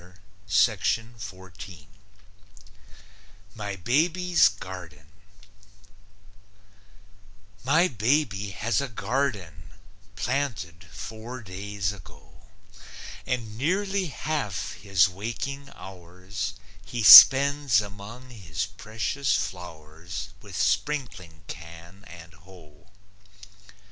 MY BABY'S GARDEN My baby has a garden, "Planted" four days ago, And nearly half his waking hours He spends among his precious flowers With sprinkling can and hoe.